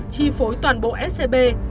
chi phối toàn bộ scb